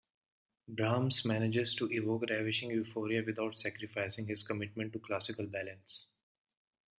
Brahms manages to evoke ravishing euphoria without sacrificing his commitment to classical balance.